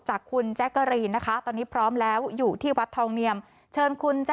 เชิญค่ะ